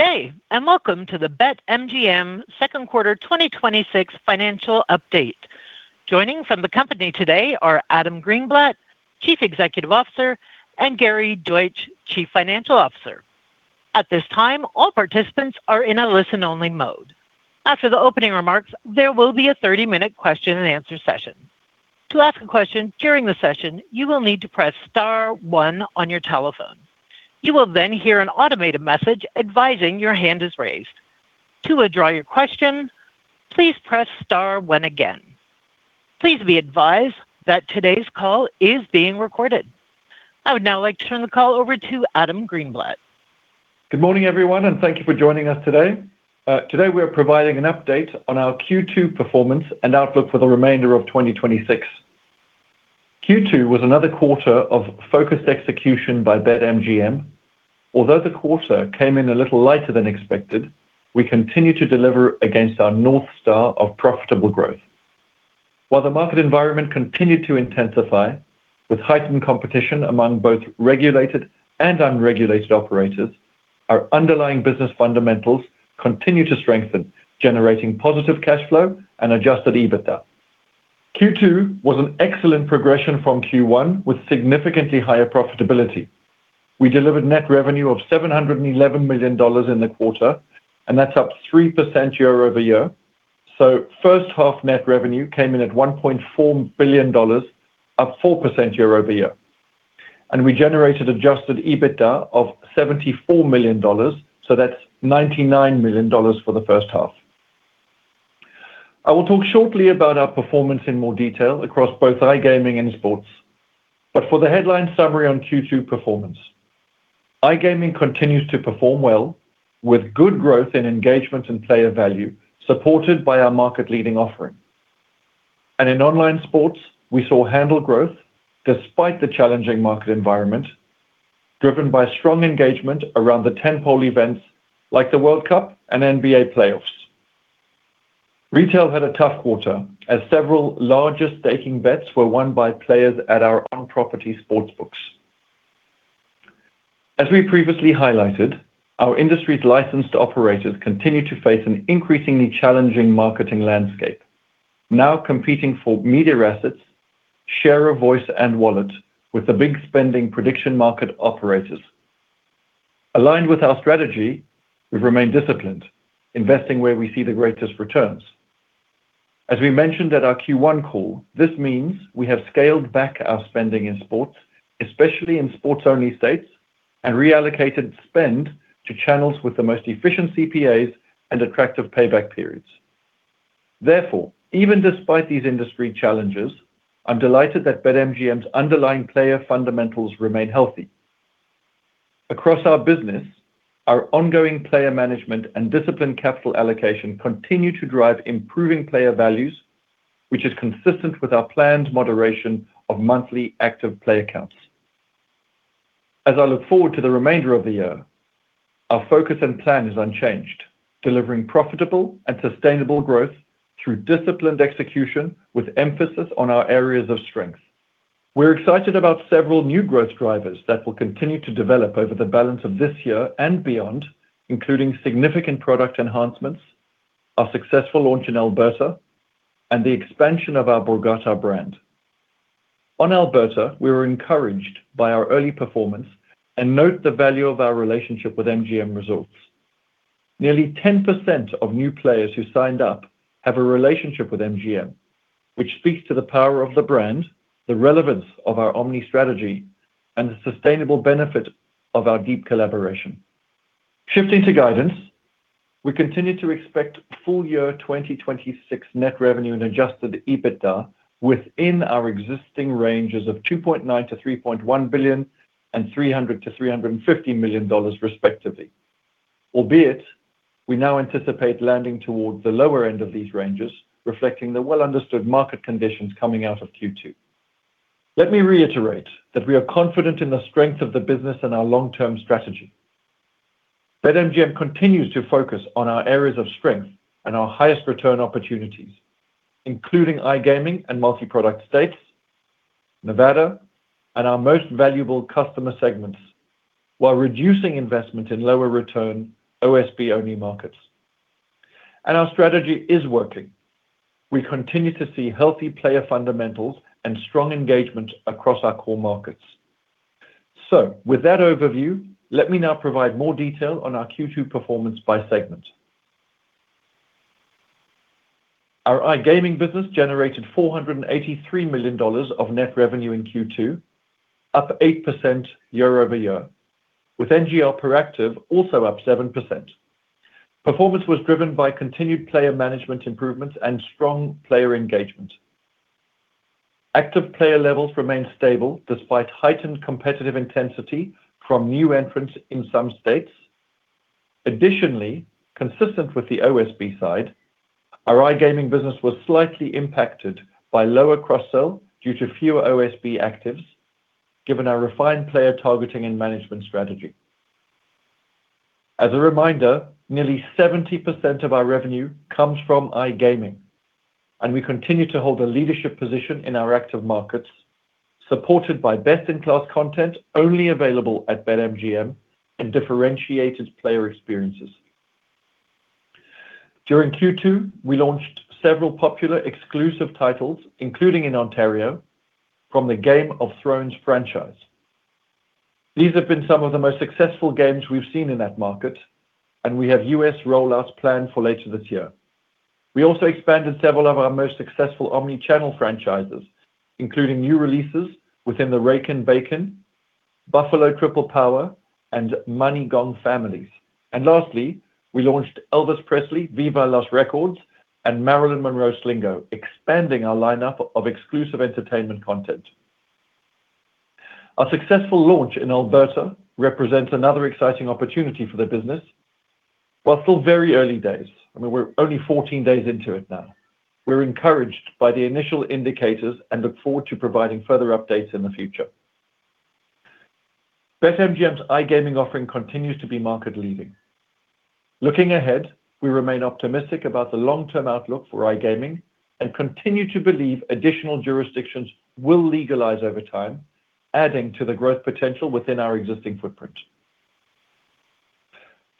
Good day, and welcome to the BetMGM second quarter 2026 financial update. Joining from the company today are Adam Greenblatt, Chief Executive Officer, and Gary Deutsch, Chief Financial Officer. At this time, all participants are in a listen-only mode. After the opening remarks, there will be a 30-minute question and answer session. To ask a question during the session, you will need to press star one on your telephone. You will then hear an automated message advising your hand is raised. To withdraw your question, please press star one again. Please be advised that today's call is being recorded. I would now like to turn the call over to Adam Greenblatt. Good morning, everyone, and thank you for joining us today. Today, we are providing an update on our Q2 performance and outlook for the remainder of 2026. Q2 was another quarter of focused execution by BetMGM. Although the quarter came in a little lighter than expected, we continue to deliver against our North Star of profitable growth. While the market environment continued to intensify with heightened competition among both regulated and unregulated operators, our underlying business fundamentals continue to strengthen, generating positive cash flow and adjusted EBITDA. Q2 was an excellent progression from Q1 with significantly higher profitability. We delivered net revenue of $711 million in the quarter, and that's up 3% year-over-year. First half net revenue came in at $1.4 billion, up 4% year-over-year. We generated adjusted EBITDA of $74 million, so that's $99 million for the first half. I will talk shortly about our performance in more detail across both iGaming and sports. For the headline summary on Q2 performance, iGaming continues to perform well with good growth in engagement and player value, supported by our market-leading offering. In online sports, we saw handle growth despite the challenging market environment, driven by strong engagement around the tent-pole events like the World Cup and NBA playoffs. Retail had a tough quarter as several largest staking bets were won by players at our own property sports books. As we previously highlighted, our industry's licensed operators continue to face an increasingly challenging marketing landscape, now competing for media assets, share of voice, and wallet with the big-spending prediction market operators. Aligned with our strategy, we've remained disciplined, investing where we see the greatest returns. As we mentioned at our Q1 call, this means we have scaled back our spending in sports, especially in sports-only states, and reallocated spend to channels with the most efficient CPAs and attractive payback periods. Even despite these industry challenges, I'm delighted that BetMGM's underlying player fundamentals remain healthy. Across our business, our ongoing player management and disciplined capital allocation continue to drive improving player values, which is consistent with our planned moderation of monthly active player counts. As I look forward to the remainder of the year, our focus and plan is unchanged, delivering profitable and sustainable growth through disciplined execution with emphasis on our areas of strength. We're excited about several new growth drivers that will continue to develop over the balance of this year and beyond, including significant product enhancements, our successful launch in Alberta, and the expansion of our Borgata brand. On Alberta, we were encouraged by our early performance and note the value of our relationship with MGM Resorts. Nearly 10% of new players who signed up have a relationship with MGM, which speaks to the power of the brand, the relevance of our omni strategy, and the sustainable benefit of our deep collaboration. Shifting to guidance, we continue to expect full year 2026 net revenue and adjusted EBITDA within our existing ranges of $2.9 billion-$3.1 billion and $300 million-$350 million respectively. We now anticipate landing towards the lower end of these ranges, reflecting the well-understood market conditions coming out of Q2. Let me reiterate that we are confident in the strength of the business and our long-term strategy. BetMGM continues to focus on our areas of strength and our highest return opportunities, including iGaming and multi-product states, Nevada, and our most valuable customer segments, while reducing investment in lower return OSB-only markets. Our strategy is working. We continue to see healthy player fundamentals and strong engagement across our core markets. With that overview, let me now provide more detail on our Q2 performance by segment. Our iGaming business generated $483 million of net revenue in Q2, up 8% year-over-year, with NGR proactive also up 7%. Performance was driven by continued player management improvements and strong player engagement. Active player levels remained stable despite heightened competitive intensity from new entrants in some states. Additionally, consistent with the OSB side, our iGaming business was slightly impacted by lower cross-sell due to fewer OSB actives, given our refined player targeting and management strategy. As a reminder, nearly 70% of our revenue comes from iGaming. We continue to hold a leadership position in our active markets, supported by best-in-class content only available at BetMGM and differentiated player experiences. During Q2, we launched several popular exclusive titles, including in Ontario, from the "Game of Thrones" franchise. These have been some of the most successful games we've seen in that market, and we have U.S. roll-outs planned for later this year. We also expanded several of our most successful omni-channel franchises, including new releases within the "Rakin' Bacon," "Buffalo Triple Power," and "Money Gong" Families. Lastly, we launched "Elvis Presley: Viva Las Records" and "Marilyn Monroe Slingo," expanding our lineup of exclusive entertainment content. Our successful launch in Alberta represents another exciting opportunity for the business. While still very early days, we're only 14 days into it now, we're encouraged by the initial indicators and look forward to providing further updates in the future. BetMGM's iGaming offering continues to be market-leading. Looking ahead, we remain optimistic about the long-term outlook for iGaming and continue to believe additional jurisdictions will legalize over time, adding to the growth potential within our existing footprint.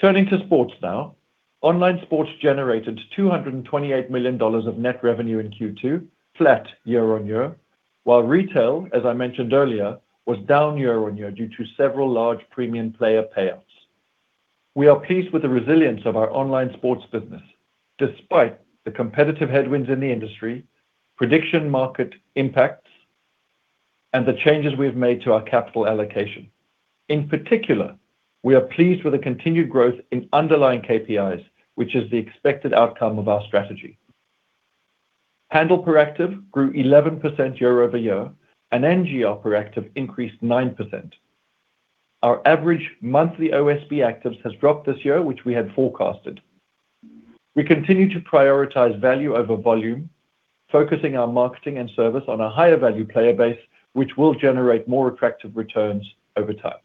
Turning to sports now. Online sports generated $228 million of net revenue in Q2, flat year-on-year, while retail, as I mentioned earlier, was down year-on-year due to several large premium player payouts. We are pleased with the resilience of our online sports business, despite the competitive headwinds in the industry, prediction market impacts, and the changes we have made to our capital allocation. In particular, we are pleased with the continued growth in underlying KPIs, which is the expected outcome of our strategy. Handle per active grew 11% year-over-year, and NGR per active increased 9%. Our average monthly OSB actives has dropped this year, which we had forecasted. We continue to prioritize value over volume, focusing our marketing and service on a higher-value player base, which will generate more attractive returns over time.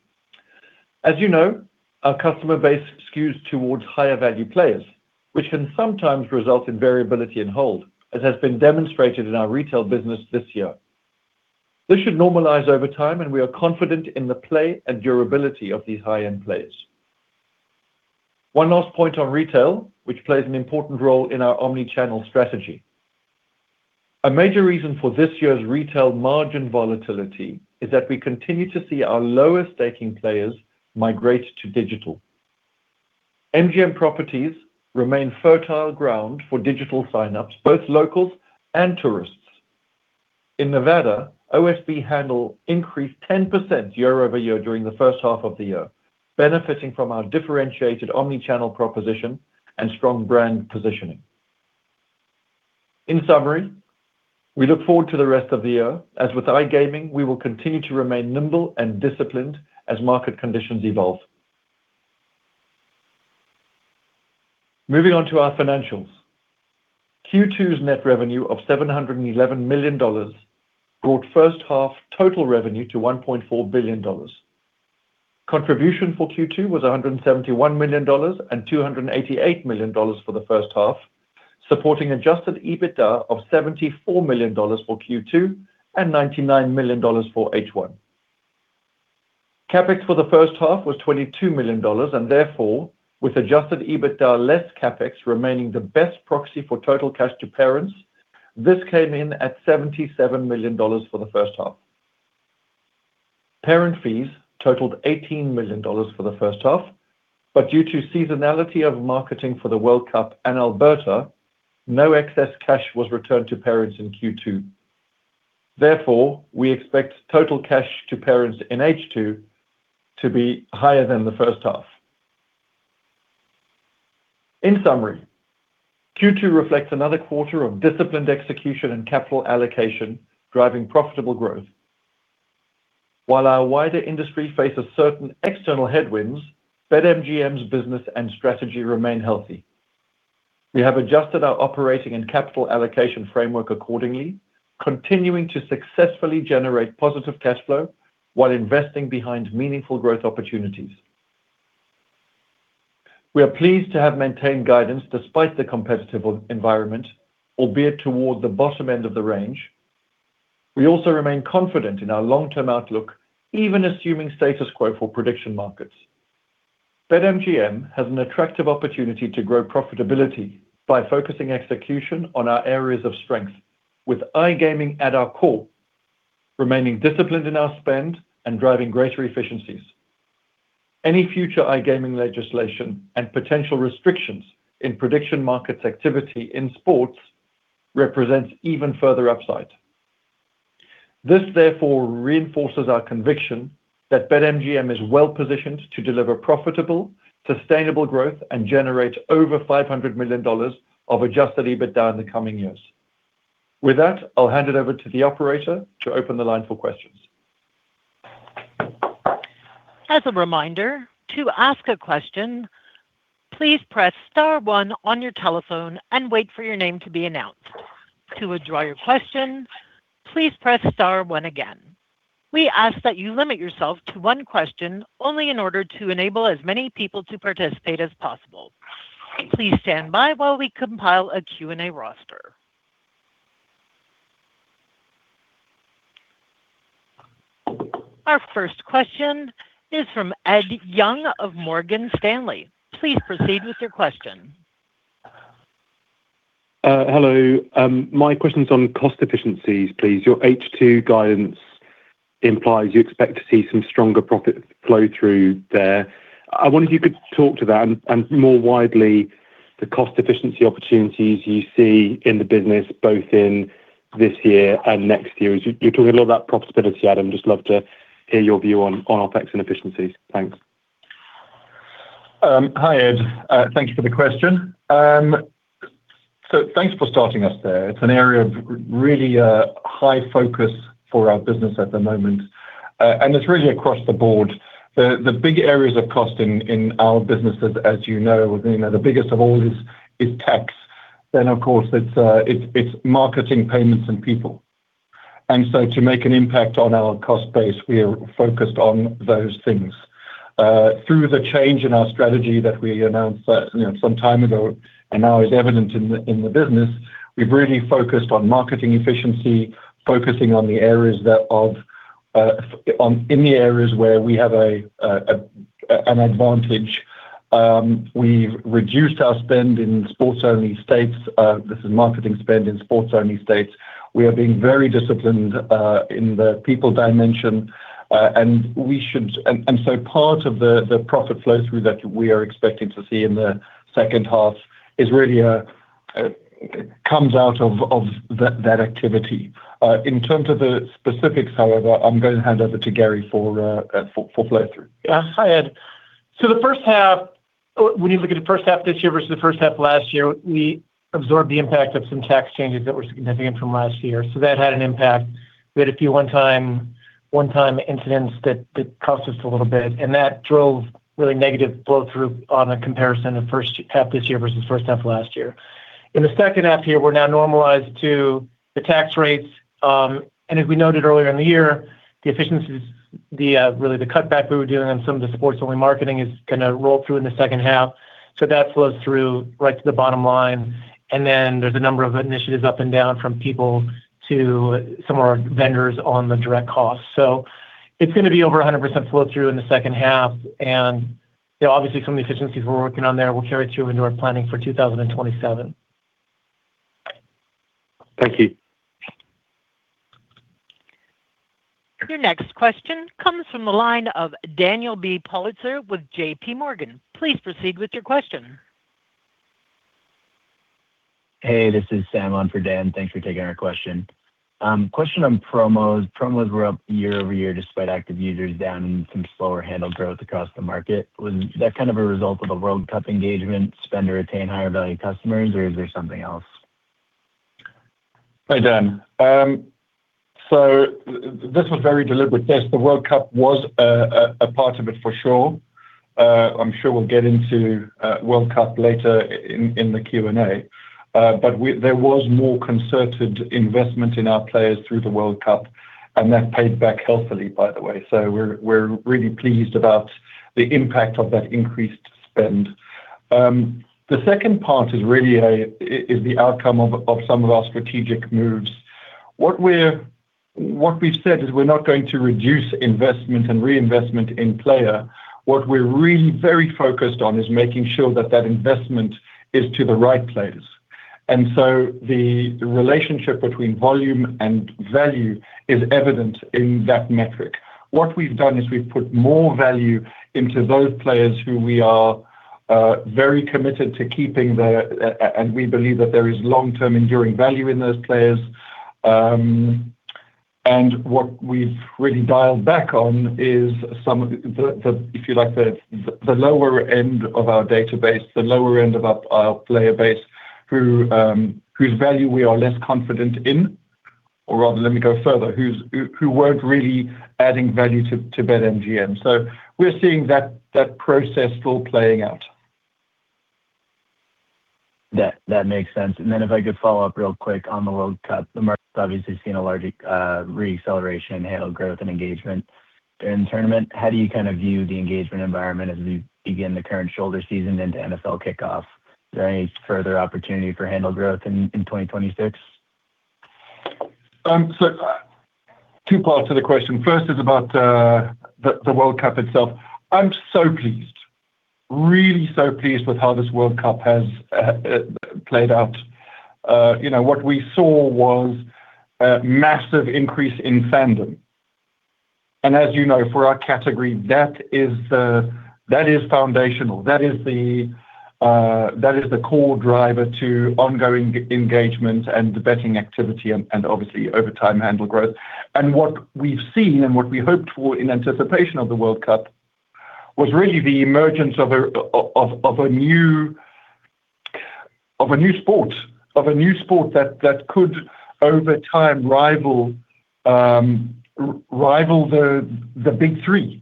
As you know, our customer base skews towards higher-value players, which can sometimes result in variability in hold, as has been demonstrated in our retail business this year. This should normalize over time. We are confident in the play and durability of these high-end players. One last point on retail, which plays an important role in our omni-channel strategy. A major reason for this year's retail margin volatility is that we continue to see our lowest-staking players migrate to digital. MGM properties remain fertile ground for digital sign-ups, both locals and tourists. In Nevada, OSB handle increased 10% year-over-year during the first half of the year, benefiting from our differentiated omni-channel proposition and strong brand positioning. In summary, we look forward to the rest of the year, as with iGaming, we will continue to remain nimble and disciplined as market conditions evolve. Moving on to our financials. Q2's net revenue of $711 million brought first half total revenue to $1.4 billion. Contribution for Q2 was $171 million and $288 million for the first half, supporting adjusted EBITDA of $74 million for Q2 and $99 million for H1. CapEx for the first half was $22 million. Therefore, with adjusted EBITDA less CapEx remaining the best proxy for total cash to parents, this came in at $77 million for the first half. Parent fees totaled $18 million for the first half. Due to seasonality of marketing for the World Cup and Alberta, no excess cash was returned to parents in Q2. Therefore, we expect total cash to parents in H2 to be higher than the first half. In summary, Q2 reflects another quarter of disciplined execution and capital allocation driving profitable growth. While our wider industry faces certain external headwinds, BetMGM's business and strategy remain healthy. We have adjusted our operating and capital allocation framework accordingly, continuing to successfully generate positive cash flow while investing behind meaningful growth opportunities. We are pleased to have maintained guidance despite the competitive environment, albeit toward the bottom end of the range. We also remain confident in our long-term outlook, even assuming status quo for prediction markets. BetMGM has an attractive opportunity to grow profitability by focusing execution on our areas of strength with iGaming at our core, remaining disciplined in our spend and driving greater efficiencies. Any future iGaming legislation and potential restrictions in prediction markets activity in sports represents even further upside. This therefore reinforces our conviction that BetMGM is well-positioned to deliver profitable, sustainable growth and generate over $500 million of adjusted EBITDA in the coming years. With that, I'll hand it over to the operator to open the line for questions. As a reminder, to ask a question, please press star one on your telephone and wait for your name to be announced. To withdraw your question, please press star one again. We ask that you limit yourself to one question only in order to enable as many people to participate as possible. Please stand by while we compile a Q&A roster. Our first question is from Ed Young of Morgan Stanley. Please proceed with your question. Hello. My question's on cost efficiencies, please. Your H2 guidance implies you expect to see some stronger profit flow through there. I wonder if you could talk to that, and more widely, the cost efficiency opportunities you see in the business both in this year and next year. You're talking a lot about profitability, Adam. Just love to hear your view on OpEx and efficiencies. Thanks. Hi, Ed. Thank you for the question. Thanks for starting us there. It's an area of really high focus for our business at the moment. It's really across the board. The big areas of cost in our business, as you know, the biggest of all is tax. Of course, it's marketing, payments, and people. To make an impact on our cost base, we are focused on those things. Through the change in our strategy that we announced some time ago and now is evident in the business, we've really focused on marketing efficiency, focusing in the areas where we have an advantage. We've reduced our spend in sports-only states. This is marketing spend in sports-only states. We are being very disciplined in the people dimension. Part of the profit flow through that we are expecting to see in the second half really comes out of that activity. In terms of the specifics, however, I'm going to hand over to Gary for flow-through. Hi, Ed. When you look at the first half of this year versus the first half of last year, we absorbed the impact of some tax changes that were significant from last year. That had an impact. We had a few one-time incidents that cost us a little bit, and that drove really negative flow-through on a comparison of first half this year versus first half of last year. In the second half here, we're now normalized to the tax rates. As we noted earlier in the year, the efficiencies, really the cutback we were doing on some of the sports-only marketing is going to roll through in the second half. That flows through right to the bottom line. Then there's a number of initiatives up and down from people to some of our vendors on the direct costs. It's going to be over 100% flow-through in the second half. Obviously, some of the efficiencies we're working on there will carry through into our planning for 2027. Thank you. Your next question comes from the line of Daniel B. Politzer with JPMorgan. Please proceed with your question. Hey, this is Sam on for Dan. Thanks for taking our question. Question on promos. Promos were up year-over-year despite active users down and some slower handle growth across the market. Was that kind of a result of a World Cup engagement spend to retain higher-value customers, or is there something else? Hi, Dan. This was very deliberate. Yes, the World Cup was a part of it for sure. I'm sure we'll get into World Cup later in the Q&A. There was more concerted investment in our players through the World Cup, and that paid back healthily, by the way. We're really pleased about the impact of that increased spend. The second part is the outcome of some of our strategic moves. What we've said is we're not going to reduce investment and reinvestment in player. What we're really very focused on is making sure that that investment is to the right players. The relationship between volume and value is evident in that metric. What we've done is we've put more value into those players who we are very committed to keeping, and we believe that there is long-term enduring value in those players. What we've really dialed back on is, if you like, the lower end of our database, the lower end of our player base whose value we are less confident in. Or rather, let me go further, who weren't really adding value to BetMGM. We're seeing that process still playing out. That makes sense. If I could follow up real quick on the World Cup. The market's obviously seen a large re-acceleration in handle growth and engagement during the tournament. How do you kind of view the engagement environment as we begin the current shoulder season into NFL kickoff? Is there any further opportunity for handle growth in 2026? Two parts to the question. First is about the World Cup itself. I'm so pleased, really so pleased with how this World Cup has played out. What we saw was a massive increase in fandom. As you know, for our category, that is foundational. That is the core driver to ongoing engagement and betting activity and obviously, over time, handle growth. What we've seen and what we hoped for in anticipation of the World Cup was really the emergence of a new sport that could, over time, rival the big three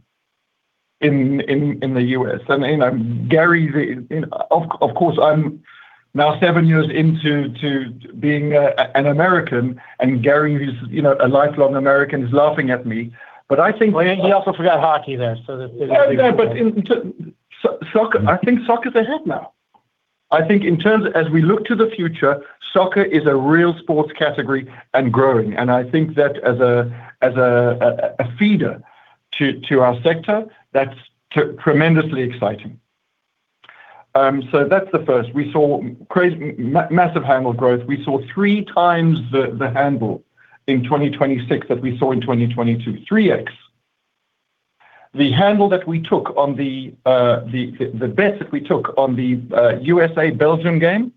in the U.S. Of course, I'm now seven years into being an American, and Gary, who's a lifelong American, is laughing at me. You also forgot hockey there's. In soccer, I think soccer's ahead now. I think as we look to the future, soccer is a real sports category and growing. I think that as a feeder to our sector, that's tremendously exciting. That's the first. We saw massive handle growth. We saw 3x the handle in 2026 that we saw in 2022, 3x. The bets that we took on the U.S.A.-Belgium game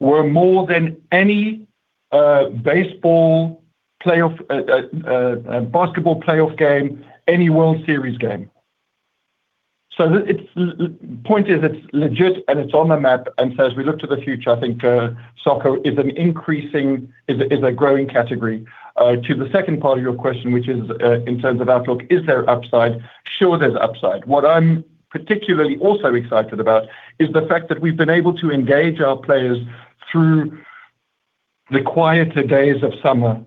were more than any baseball playoff, basketball playoff game, any World Series game. The point is it's legit and it's on the map. As we look to the future, I think soccer is a growing category. To the second part of your question, which is in terms of outlook, is there upside? Sure, there's upside. What I'm particularly also excited about is the fact that we've been able to engage our players through the quieter days of summer.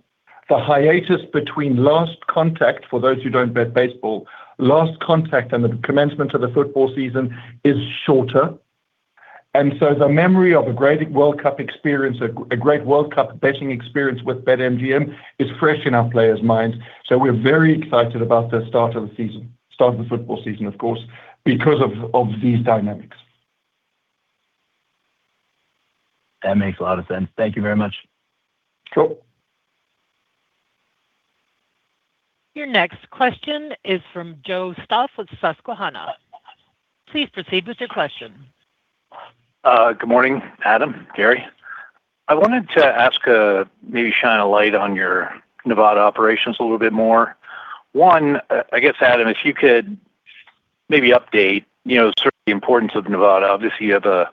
The hiatus between last contact, for those who don't bet baseball, last contact and the commencement of the football season is shorter. The memory of a great World Cup betting experience with BetMGM is fresh in our players' minds. We're very excited about the start of the football season, of course, because of these dynamics. That makes a lot of sense. Thank you very much. Sure. Your next question is from Joe Stauff with Susquehanna. Please proceed with your question. Good morning, Adam, Gary. I wanted to ask, maybe shine a light on your Nevada operations a little bit more. One, I guess, Adam, if you could maybe update sort of the importance of Nevada. Obviously, you have a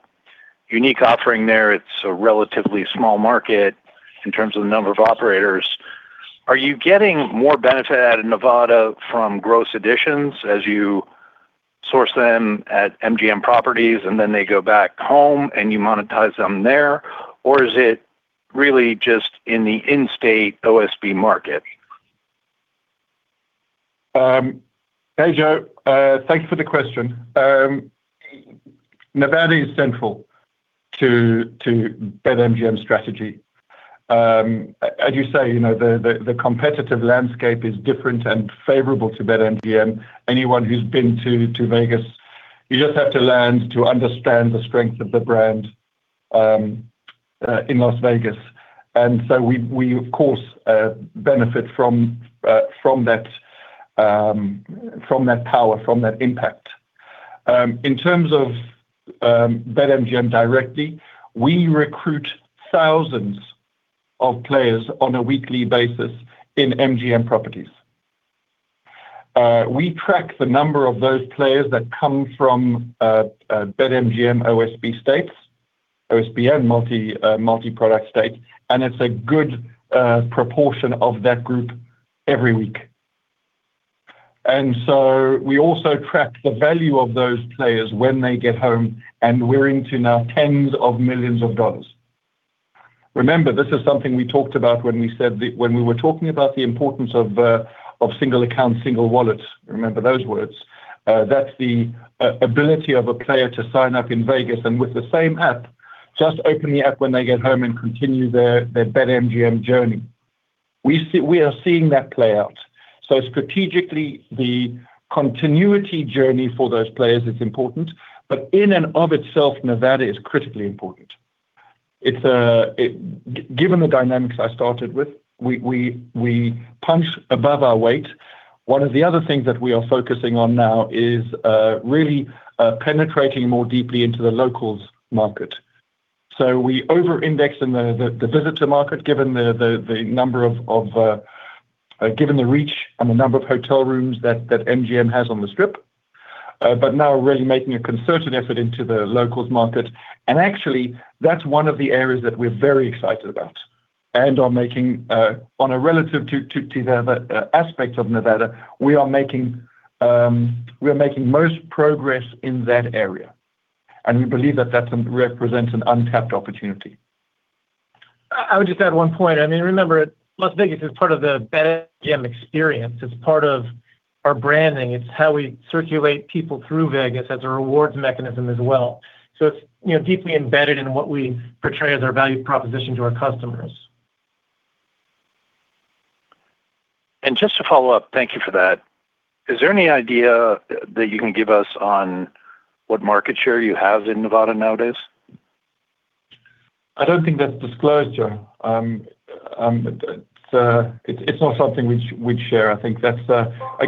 unique offering there. It's a relatively small market in terms of the number of operators. Are you getting more benefit out of Nevada from gross additions as you source them at MGM properties and then they go back home and you monetize them there? Or is it really just in the in-state OSB market? Hey, Joe. Thank you for the question. Nevada is central to BetMGM's strategy. As you say, the competitive landscape is different and favorable to BetMGM. Anyone who's been to Vegas, you just have to learn to understand the strength of the brand in Las Vegas. We, of course, benefit from that power, from that impact. In terms of BetMGM directly, we recruit thousands of players on a weekly basis in MGM properties. We track the number of those players that come from BetMGM OSB states, OSB and multi-product states, and it's a good proportion of that group every week. We also track the value of those players when they get home, and we're into now tens of millions of dollars. Remember, this is something we talked about when we were talking about the importance of single account, single wallet. Remember those words. That is the ability of a player to sign up in Vegas and with the same app, just open the app when they get home and continue their BetMGM journey. We are seeing that play out. Strategically, the continuity journey for those players is important. In and of itself, Nevada is critically important. Given the dynamics I started with, we punch above our weight. One of the other things that we are focusing on now is really penetrating more deeply into the locals market. We over-index in the visitor market, given the reach and the number of hotel rooms that MGM has on the Strip. Now we are really making a concerted effort into the locals market. Actually, that is one of the areas that we are very excited about and on a relative to the other aspects of Nevada, we are making most progress in that area. We believe that that represents an untapped opportunity. I would just add one point. Remember, Las Vegas is part of the BetMGM experience. It is part of our branding. It is how we circulate people through Vegas as a rewards mechanism as well. It is deeply embedded in what we portray as our value proposition to our customers. Just to follow up, thank you for that. Is there any idea that you can give us on what market share you have in Nevada nowadays? I don't think that's disclosed, Joe. It's not something we'd share.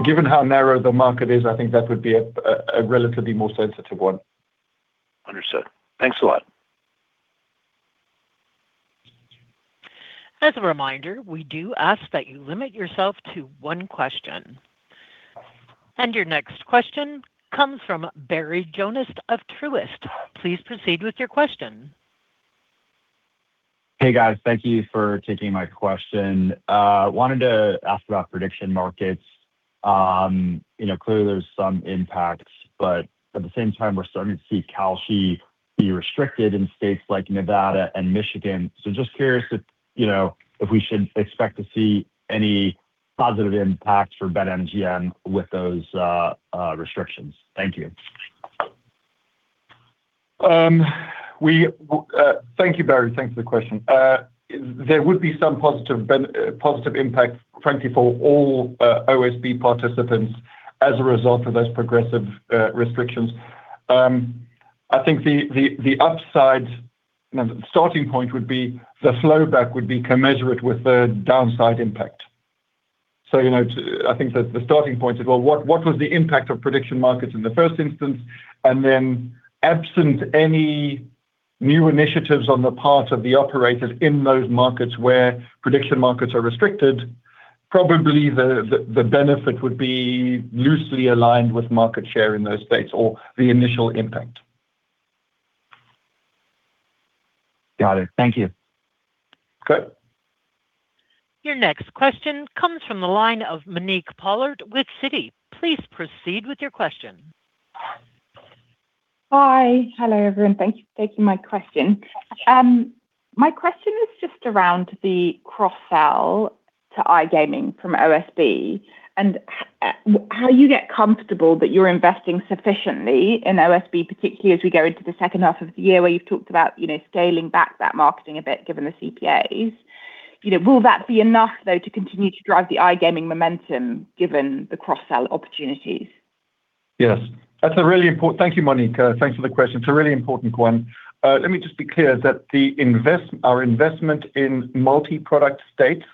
Given how narrow the market is, I think that would be a relatively more sensitive one. Understood. Thanks a lot. As a reminder, we do ask that you limit yourself to one question. Your next question comes from Barry Jonas of Truist. Please proceed with your question. Hey guys, thank you for taking my question. Wanted to ask about prediction markets. Clearly, there's some impacts, at the same time, we're starting to see Kalshi restricted in states like Nevada and Michigan. Just curious if we should expect to see any positive impacts for BetMGM with those restrictions. Thank you. Thank you, Barry. Thanks for the question. There would be some positive impact, frankly, for all OSB participants as a result of those progressive restrictions. I think the upside starting point would be the flow back would be commensurate with the downside impact. I think the starting point is, well, what was the impact of prediction markets in the first instance? Absent any new initiatives on the part of the operators in those markets where prediction markets are restricted, probably the benefit would be loosely aligned with market share in those states or the initial impact. Got it. Thank you. Okay. Your next question comes from the line of Monique Pollard with Citi. Please proceed with your question. Hi. Hello, everyone. Thank you for taking my question. My question is just around the cross-sell to iGaming from OSB and how you get comfortable that you're investing sufficiently in OSB, particularly as we go into the second half of the year, where you've talked about scaling back that marketing a bit, given the CPAs. Will that be enough, though, to continue to drive the iGaming momentum given the cross-sell opportunities? Yes. Thank you, Monique. Thanks for the question. It's a really important one. Let me just be clear that our investment in multi-product states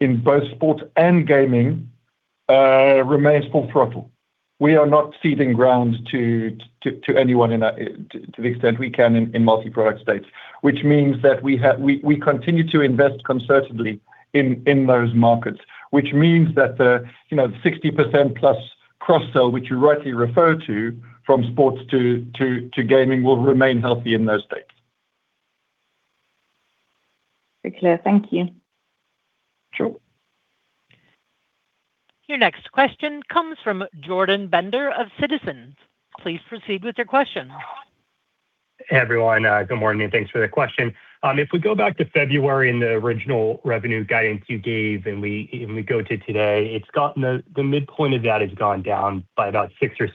in both sports and gaming remains full throttle. We are not ceding ground to anyone to the extent we can in multi-product states, which means that we continue to invest concertedly in those markets. Which means that the 60%+ cross-sell, which you rightly refer to from sports to gaming will remain healthy in those states. Very clear. Thank you. Sure. Your next question comes from Jordan Bender of Citizens. Please proceed with your question. Hey, everyone. Good morning and thanks for the question. If we go back to February and the original revenue guidance you gave and we go to today, the midpoint of that has gone down by about 6% or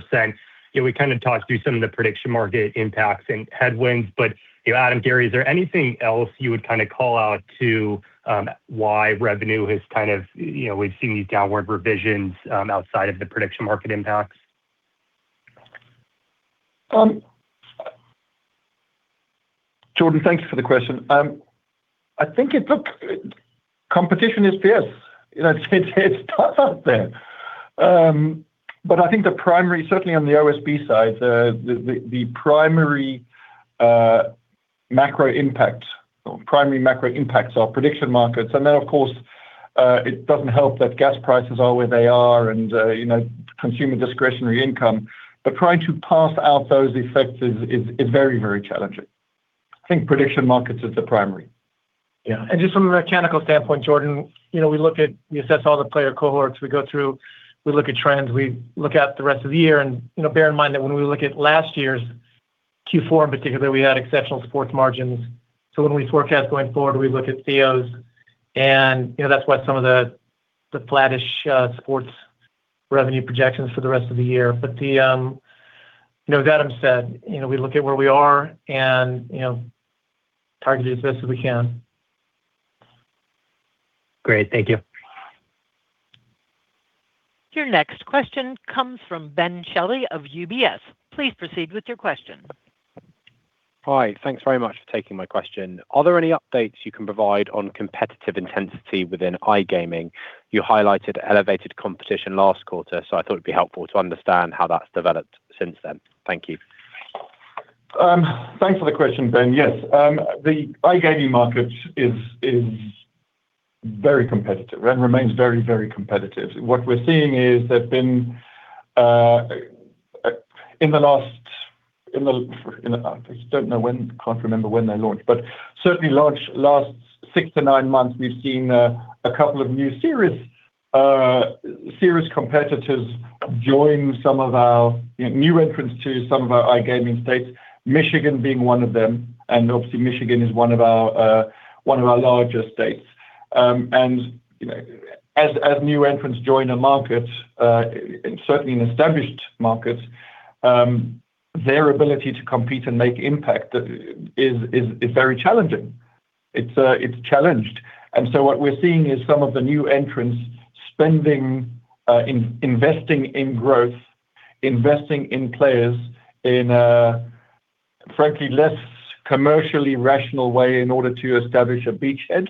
7%. We kind of talked through some of the prediction market impacts and headwinds, but Adam, Gary, is there anything else you would call out to why revenue has we've seen these downward revisions outside of the prediction market impacts? Jordan, thank you for the question. Look, competition is fierce. It's tough out there. I think certainly on the OSB side, the primary macro impacts are prediction markets. Of course, it doesn't help that gas prices are where they are and consumer discretionary income. Trying to parse out those effects is very challenging. I think prediction markets is the primary. Yeah. Just from a mechanical standpoint, Jordan, we assess all the player cohorts. We go through, we look at trends, we look at the rest of the year. Bear in mind that when we look at last year's Q4 in particular, we had exceptional sports margins. When we forecast going forward, we look at comps and that's why some of the flattish sports revenue projections for the rest of the year. As Adam said, we look at where we are and target it as best as we can. Great. Thank you. Your next question comes from Ben Shelley of UBS. Please proceed with your question. Hi. Thanks very much for taking my question. Are there any updates you can provide on competitive intensity within iGaming? You highlighted elevated competition last quarter. I thought it'd be helpful to understand how that's developed since then. Thank you. Thanks for the question, Ben. Yes, the iGaming market is very competitive and remains very competitive. What we're seeing is there've been I just can't remember when they launched, but certainly last six to nine months, we've seen a couple of new serious competitors join some of our new entrants to some of our iGaming states, Michigan being one of them. Obviously, Michigan is one of our larger states. As new entrants join a market, and certainly in established markets, their ability to compete and make impact is very challenging. It's challenged. What we're seeing is some of the new entrants investing in growth, investing in players in a, frankly, less commercially rational way in order to establish a beachhead.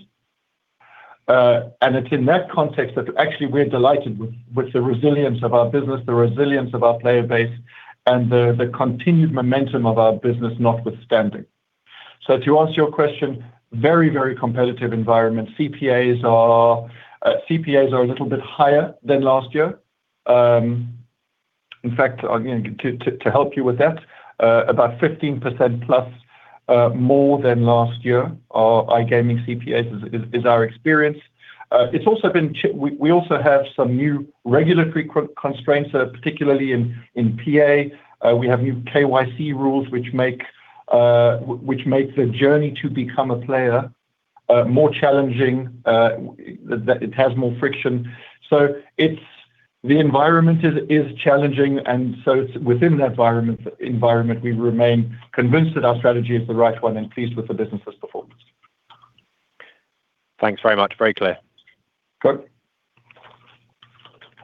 It's in that context that actually we're delighted with the resilience of our business, the resilience of our player base, and the continued momentum of our business notwithstanding. To answer your question, very competitive environment. CPAs are a little bit higher than last year. In fact, to help you with that, about 15%+ more than last year are iGaming CPAs is our experience. We also have some new regulatory constraints, particularly in PA. We have new KYC rules which make the journey to become a player more challenging. It has more friction. The environment is challenging. Within that environment, we remain convinced that our strategy is the right one and pleased with the business's performance. Thanks very much. Very clear. Sure.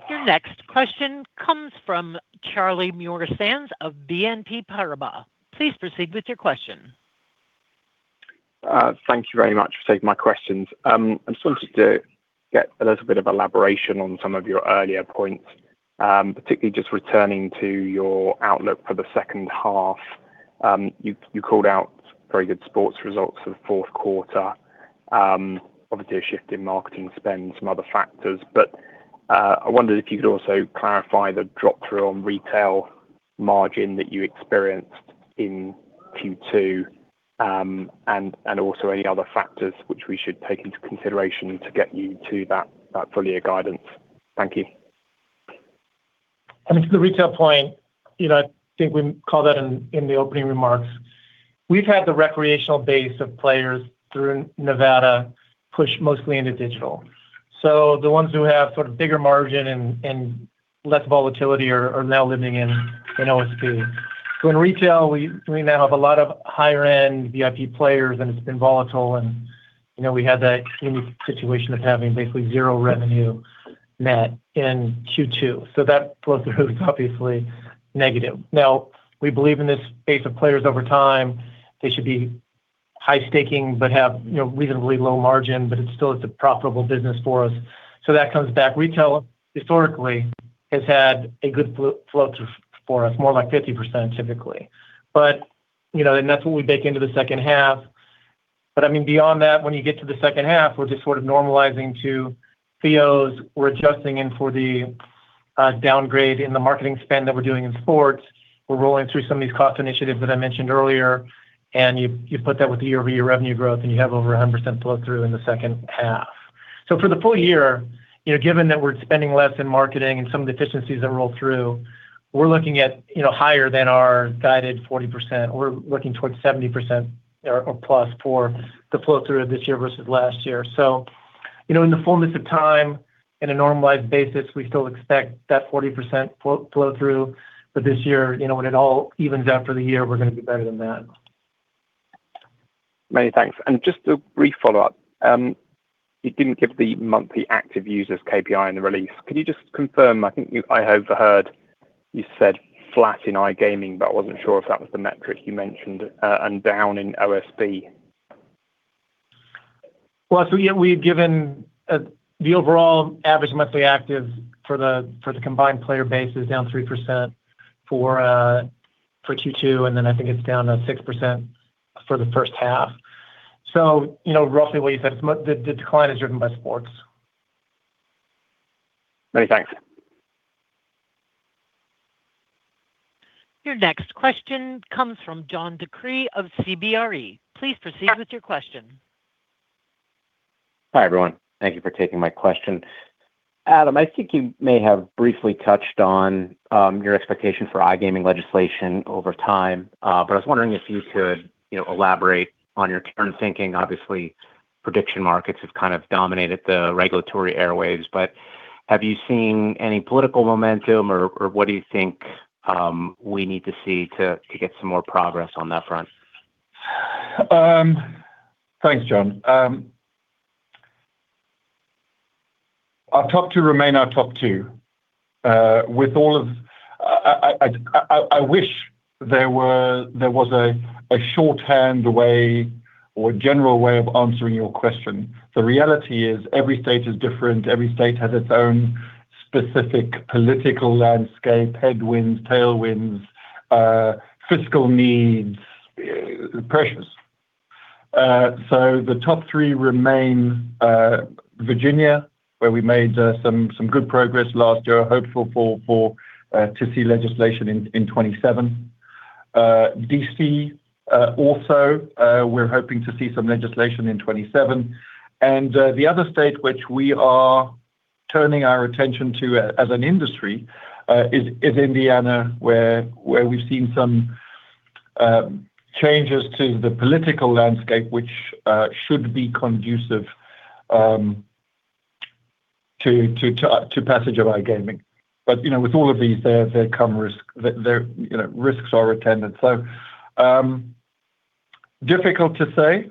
Your next question comes from Charlie Muir-Sands of BNP Paribas. Please proceed with your question. Thank you very much for taking my questions. I'm interested to get a little bit of elaboration on some of your earlier points, particularly just returning to your outlook for the second half. You called out very good sports results for the fourth quarter. Obviously, a shift in marketing spend, some other factors, but I wondered if you could also clarify the drop through on retail margin that you experienced in Q2, and also any other factors which we should take into consideration to get you to that full year guidance. Thank you. To the retail point, I think we called out in the opening remarks. We've had the recreational base of players through Nevada push mostly into digital. The ones who have sort of bigger margin and less volatility are now living in OSB. In retail, we now have a lot of higher-end VIP players, and it's been volatile, and we had that extreme situation of having basically zero revenue net in Q2. That flow-through is obviously negative. Now, we believe in this base of players over time. They should be high staking, but have reasonably low margin, but it still is a profitable business for us. That comes back. Retail, historically, has had a good flow through for us, more like 50%, typically. That's what we bake into the second half. Beyond that, when you get to the second half, we're just sort of normalizing to fees. We're adjusting in for the downgrade in the marketing spend that we're doing in sports. We're rolling through some of these cost initiatives that I mentioned earlier. You put that with the year-over-year revenue growth, and you have over 100% flow through in the second half. For the full year, given that we're spending less in marketing and some of the efficiencies that roll through, we're looking at higher than our guided 40%. We're looking towards 70% or plus for the flow through of this year versus last year. In the fullness of time, in a normalized basis, we still expect that 40% flow through, but this year, when it all evens out for the year, we're going to do better than that. Many thanks. Just a brief follow-up. You didn't give the monthly active users KPI in the release. Could you just confirm, I think I overheard you said flat in iGaming, but I wasn't sure if that was the metric you mentioned, and down in OSB. We had given the overall average monthly active for the combined player base is down 3% for Q2, and I think it's down 6% for the first half. Roughly what you said. The decline is driven by sports. Many thanks. Your next question comes from John DeCree of CBRE. Please proceed with your question. Hi, everyone. Thank you for taking my question. Adam, I think you may have briefly touched on your expectation for iGaming legislation over time. I was wondering if you could elaborate on your current thinking. Obviously, prediction markets have kind of dominated the regulatory airwaves. Have you seen any political momentum, or what do you think we need to see to get some more progress on that front? Thanks, John. Our top two remain our top two. I wish there was a shorthand way or a general way of answering your question. The reality is every state is different. Every state has its own specific political landscape, headwinds, tailwinds, fiscal needs, pressures. The top three remain Virginia, where we made some good progress last year, hopeful to see legislation in 2027. D.C., also, we're hoping to see some legislation in 2027. The other state which we are turning our attention to as an industry is Indiana, where we've seen some changes to the political landscape, which should be conducive to passage of iGaming. With all of these, risks are attended. Difficult to say.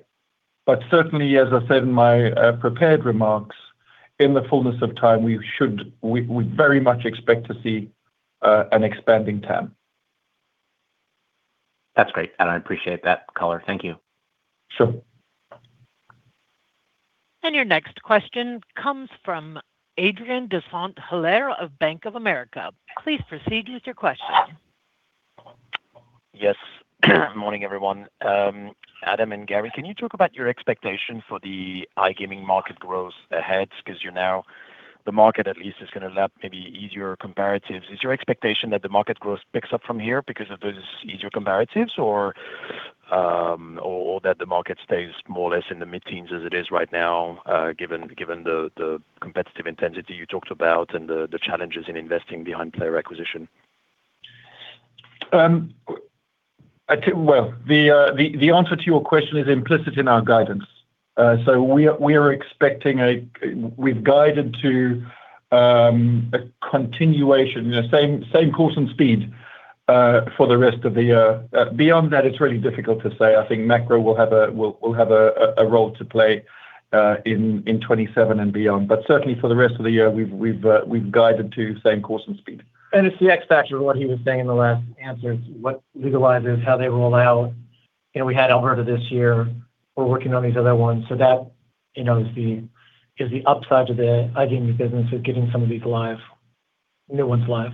Certainly, as I said in my prepared remarks, in the fullness of time, we very much expect to see an expanding TAM. That's great. I appreciate that color. Thank you. Sure. Your next question comes from Adrien de Saint Hilaire of Bank of America. Please proceed with your question. Yes. Morning, everyone. Adam and Gary, can you talk about your expectation for the iGaming market growth ahead? The market at least is going to lap maybe easier comparatives. Is your expectation that the market growth picks up from here because of those easier comparatives? Or that the market stays more or less in the mid-teens as it is right now given the competitive intensity you talked about and the challenges in investing behind player acquisition? Well, the answer to your question is implicit in our guidance. We've guided to a continuation, same course and speed for the rest of the year. Beyond that, it's really difficult to say. I think macro will have a role to play in 2027 and beyond. Certainly for the rest of the year, we've guided to same course and speed. It's the X factor of what he was saying in the last answers. What legalizes, how they roll out. We had Alberta this year. We're working on these other ones. That is the upside to the iGaming business is getting some of these new ones live.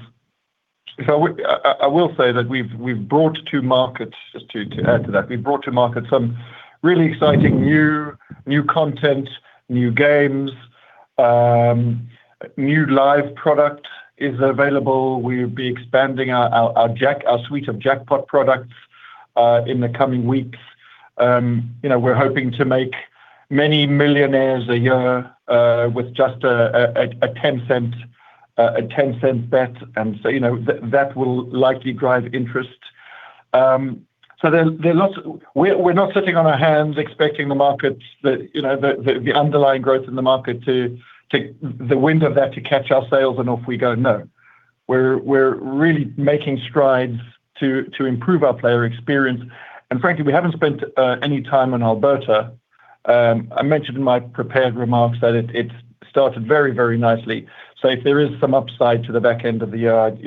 I will say that we've brought to market, just to add to that, we've brought to market some really exciting new content, new games, new live product is available. We'll be expanding our suite of jackpot products in the coming weeks. We're hoping to make many millionaires a year with just a $0.10 bet. That will likely drive interest. We're not sitting on our hands expecting the markets, the underlying growth in the market, the wind of that to catch our sails and off we go. No. We're really making strides to improve our player experience. Frankly, we haven't spent any time on Alberta. I mentioned in my prepared remarks that it started very, very nicely. If there is some upside to the back end of the year,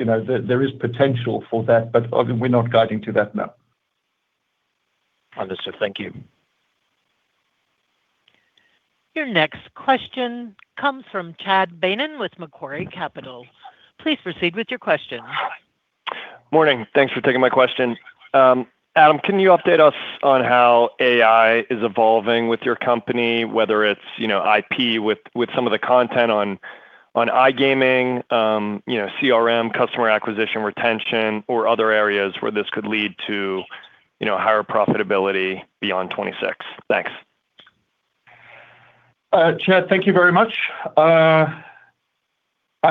there is potential for that. We're not guiding to that, no. Understood. Thank you. Your next question comes from Chad Beynon with Macquarie Capital. Please proceed with your question. Good morning. Thanks for taking my question. Adam, can you update us on how AI is evolving with your company, whether it's IP with some of the content on iGaming, CRM, customer acquisition, retention, or other areas where this could lead to higher profitability beyond 2026? Thanks. Chad, thank you very much. I'm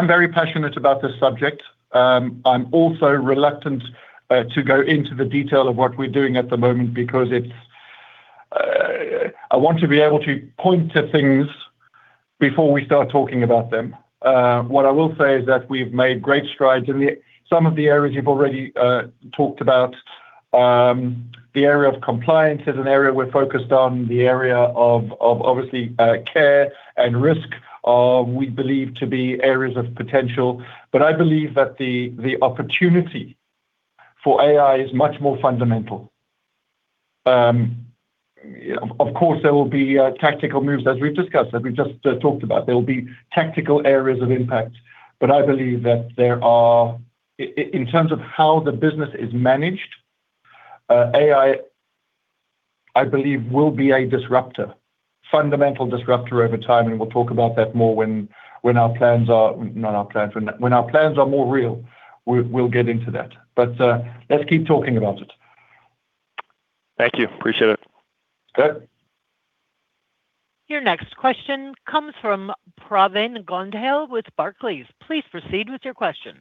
very passionate about this subject. I'm also reluctant to go into the detail of what we're doing at the moment because I want to be able to point to things before we start talking about them. What I will say is that we've made great strides in some of the areas you've already talked about. The area of compliance is an area we're focused on. The area of obviously care and risk we believe to be areas of potential. I believe that the opportunity for AI is much more fundamental. Of course, there will be tactical moves as we've discussed, that we've just talked about. There will be tactical areas of impact. I believe that in terms of how the business is managed, AI, I believe will be a disruptor, fundamental disruptor over time, and we'll talk about that more when our plans are more real. We'll get into that. Let's keep talking about it. Thank you. Appreciate it. Okay. Your next question comes from Pravin Gondhale with Barclays. Please proceed with your question.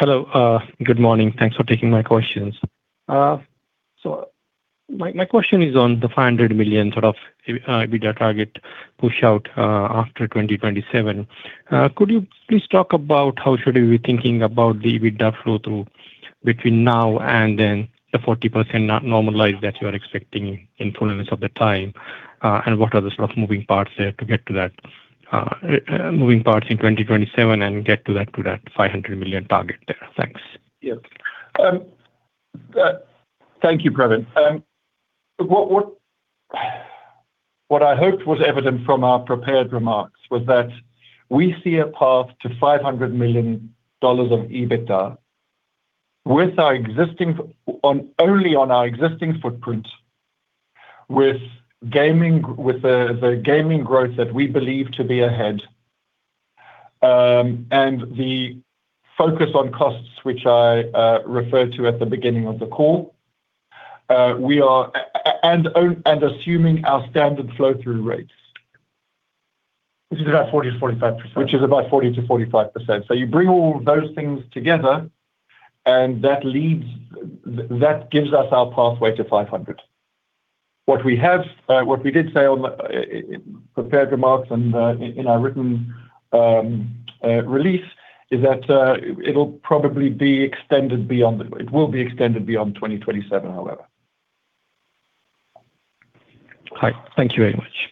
Hello. Good morning. Thanks for taking my questions. My question is on the $500 million sort of EBITDA target push out after 2027. Could you please talk about how should we be thinking about the EBITDA flow through between now and then the 40% normalized that you are expecting in fullness of the time? What are the sort of moving parts there to get to that, moving parts in 2027 and get to that $500 million target there? Thanks. Yes. Thank you, Pravin. What I hoped was evident from our prepared remarks was that we see a path to $500 million of EBITDA only on our existing footprint with the gaming growth that we believe to be ahead. The focus on costs, which I referred to at the beginning of the call. Assuming our standard flow through rates. Which is about 40%-45%. Which is about 40%-45%. You bring all those things together, and that gives us our pathway to $500. What we did say on the prepared remarks and in our written release is that it'll probably be extended beyond. It will be extended beyond 2027, however. Right. Thank you very much.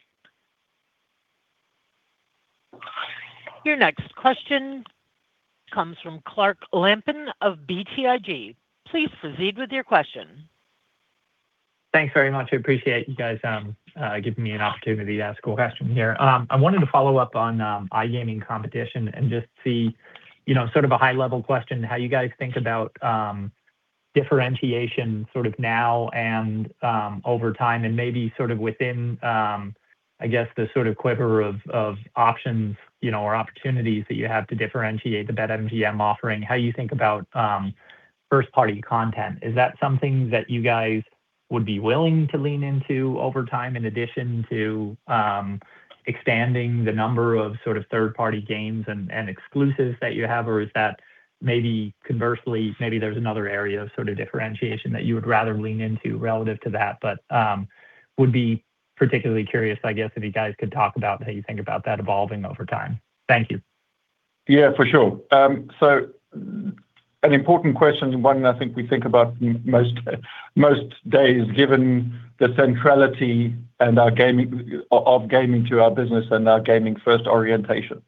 Your next question comes from Clark Lampen of BTIG. Please proceed with your question. Thanks very much. I appreciate you guys giving me an opportunity to ask a question here. I wanted to follow up on iGaming competition and just see, sort of a high-level question, how you guys think about differentiation now and over time, and maybe within, I guess, the sort of quiver of options or opportunities that you have to differentiate the BetMGM offering, how you think about first-party content. Is that something that you guys would be willing to lean into over time in addition to expanding the number of third-party games and exclusives that you have? Or is that maybe conversely, maybe there's another area of differentiation that you would rather lean into relative to that, but would be particularly curious, I guess, if you guys could talk about how you think about that evolving over time. Thank you. Yeah, for sure. An important question, one that I think we think about most days, given the centrality of gaming to our business and our gaming-first orientation.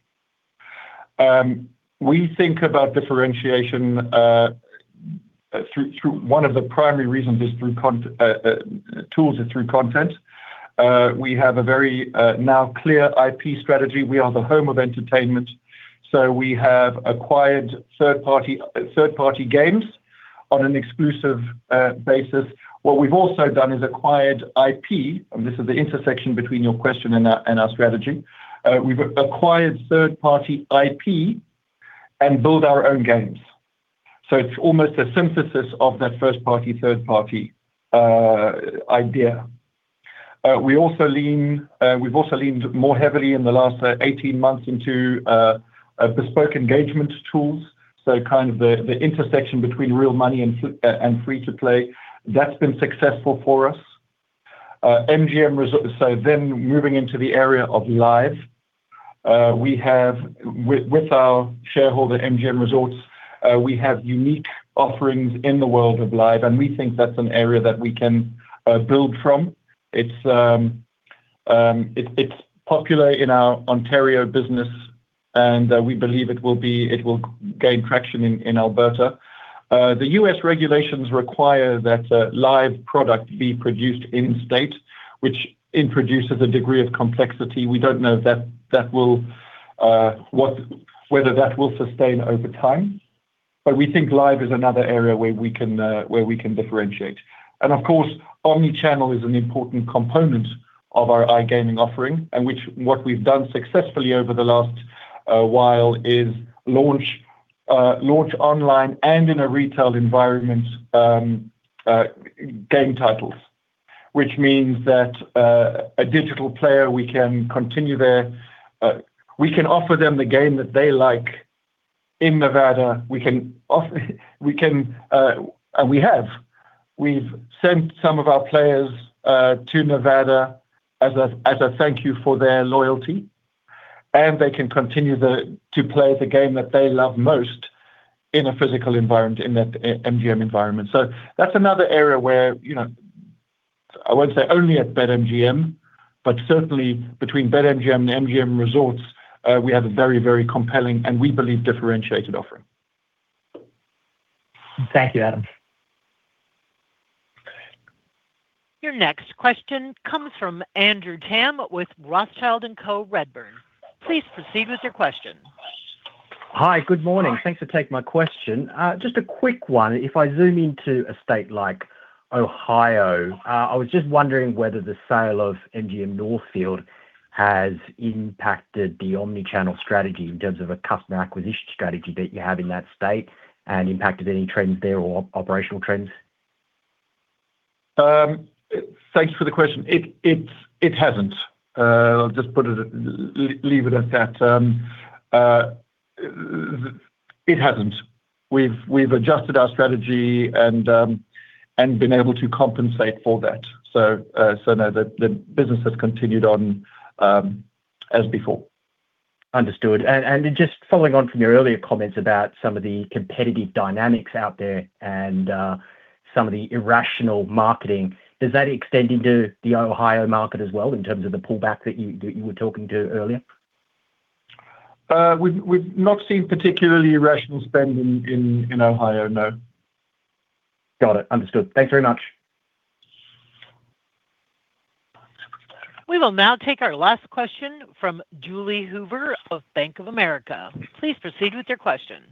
We think about differentiation, one of the primary reasons is through tools and through content. We have a very now clear IP strategy. We are the home of entertainment, so we have acquired third-party games on an exclusive basis. What we've also done is acquired IP, and this is the intersection between your question and our strategy. We've acquired third-party IP and build our own games. It's almost a synthesis of that first-party, third-party idea. We've also leaned more heavily in the last 18 months into bespoke engagement tools. Kind of the intersection between real money and free-to-play. That's been successful for us. Then moving into the area of live. With our shareholder, MGM Resorts, we have unique offerings in the world of live, and we think that's an area that we can build from. It's popular in our Ontario business, and we believe it will gain traction in Alberta. The U.S. regulations require that a live product be produced in-state, which introduces a degree of complexity. We don't know whether that will sustain over time, but we think live is another area where we can differentiate. Of course, omni-channel is an important component of our iGaming offering, and what we've done successfully over the last while is launch online and in a retail environment game titles. Which means that a digital player, we can offer them the game that they like in Nevada. We have. We've sent some of our players to Nevada as a thank you for their loyalty, and they can continue to play the game that they love most in a physical environment, in that MGM environment. That's another area where, I won't say only at BetMGM, but certainly between BetMGM and MGM Resorts, we have a very, very compelling and, we believe, differentiated offering. Thank you, Adam. Your next question comes from Andrew Tam with Rothschild & Co Redburn. Please proceed with your question. Hi. Good morning. Thanks for taking my question. Just a quick one. If I zoom into a state like Ohio, I was just wondering whether the sale of MGM Northfield has impacted the omni-channel strategy in terms of a customer acquisition strategy that you have in that state and impacted any trends there or operational trends. Thank you for the question. It hasn't. I'll just leave it as that. It hasn't. We've adjusted our strategy and been able to compensate for that. No, the business has continued on as before. Understood. Just following on from your earlier comments about some of the competitive dynamics out there and some of the irrational marketing, does that extend into the Ohio market as well in terms of the pullback that you were talking to earlier? We've not seen particularly irrational spend in Ohio, no. Got it. Understood. Thanks very much. We will now take our last question from Julie Hoover of Bank of America. Please proceed with your question.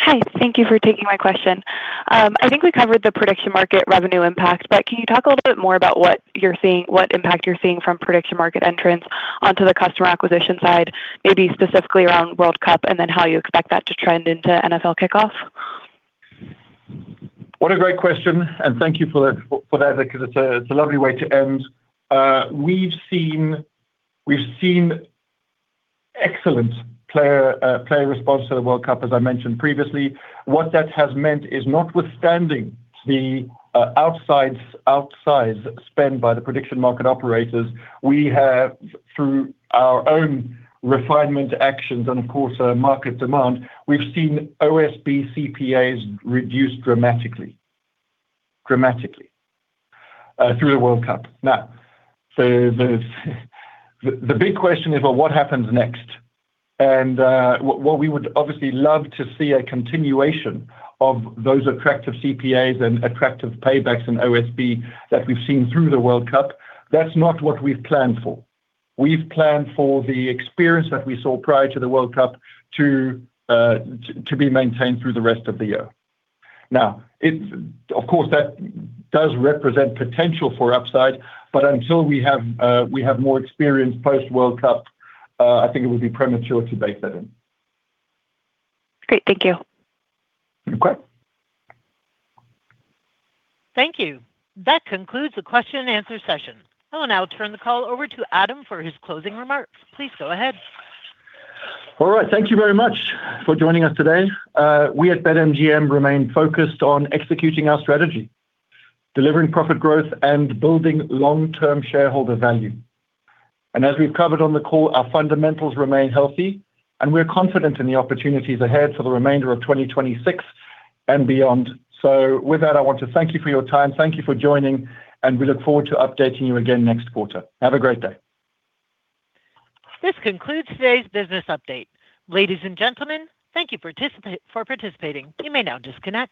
Hi. Thank you for taking my question. I think we covered the prediction market revenue impact, but can you talk a little bit more about what impact you're seeing from prediction market entrants onto the customer acquisition side, maybe specifically around World Cup, and then how you expect that to trend into NFL kickoff? What a great question, and thank you for that because it's a lovely way to end. We've seen excellent player response to the World Cup, as I mentioned previously. What that has meant is, notwithstanding the outsize spend by the prediction market operators, we have, through our own refinement actions and, of course, market demand, we've seen OSB CPAs reduce dramatically through the World Cup. The big question is, well, what happens next? While we would obviously love to see a continuation of those attractive CPAs and attractive paybacks in OSB that we've seen through the World Cup, that's not what we've planned for. We've planned for the experience that we saw prior to the World Cup to be maintained through the rest of the year. Of course, that does represent potential for upside, but until we have more experience post-World Cup, I think it would be premature to bake that in. Great. Thank you. Okay. Thank you. That concludes the question and answer session. I will now turn the call over to Adam for his closing remarks. Please go ahead. All right. Thank you very much for joining us today. We at BetMGM remain focused on executing our strategy, delivering profit growth, and building long-term shareholder value. As we've covered on the call, our fundamentals remain healthy, and we're confident in the opportunities ahead for the remainder of 2026 and beyond. With that, I want to thank you for your time, thank you for joining, and we look forward to updating you again next quarter. Have a great day. This concludes today's business update. Ladies and gentlemen, thank you for participating. You may now disconnect.